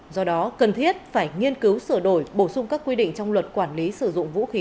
do đó cần thiết phải nghiên cứu sửa đổi bổ sung các quy định trong luật quản lý sử dụng vũ khí